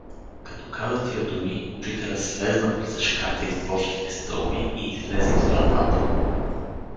Като каза тия думи, учителят слезна бързешката из дворските стълби и излезе из вратата.